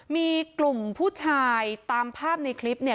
มีกลุ่มผู้ชายตามภาพในคลิปเนี่ย